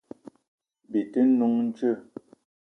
Bi te n'noung djeu?